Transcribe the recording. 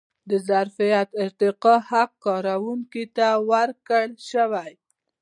د ظرفیت ارتقا حق کارکوونکي ته ورکړل شوی.